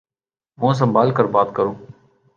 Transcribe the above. منہ سنمبھال کر بات کرو۔